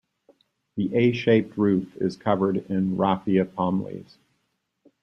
The A-shaped roof is covered in raffia palm leaves.